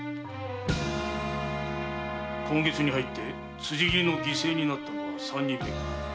今月に入って辻斬りの犠牲になった者は三人目か。